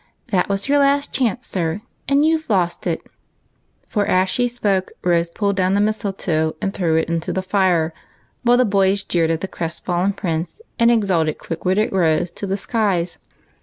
That was your last chance, sir, and you've lost it." He certainly had, for, as she spoke. Rose pulled UNDER THE MISTLETOE. 239 down the mistletoe and threw it into the fire, while the boys jeered at the crest fallen Prince, and exalted quick witted Rose to the skies.